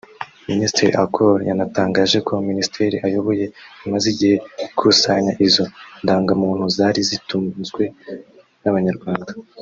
Minisitiri Akol yanatangaje ko Minisiteri ayoboye imaze igihe ikusanya izo ndangamuntu zari zitunzwe n’Abanyarwanda